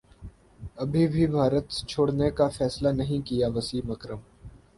ابھی بھارت چھوڑنے کافیصلہ نہیں کیا وسیم اکرم